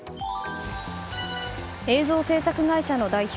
映像制作会社の代表